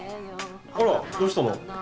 あらどうしたの？